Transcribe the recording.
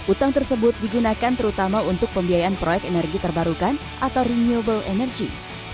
utang tersebut digunakan terutama untuk pembiayaan proyek energi terbarukan atau renewable energy